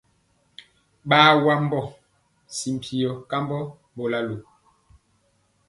Ɓaa wembɔ si viyɔ kambɔ mbolalo.